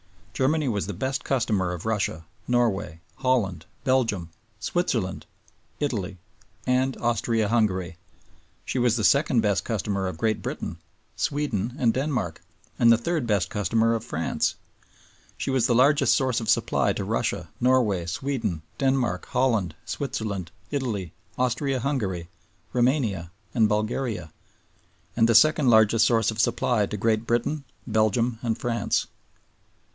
Germany was the best customer of Russia, Norway, Holland, Belgium, Switzerland, Italy, and Austria Hungary; she was the second best customer of Great Britain, Sweden, and Denmark; and the third best customer of France. She was the largest source of supply to Russia, Norway, Sweden, Denmark, Holland, Switzerland, Italy, Austria Hungary, Roumania, and Bulgaria; and the second largest source of supply to Great Britain, Belgium, and France.